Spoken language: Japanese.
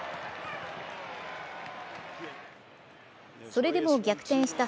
それでも逆転した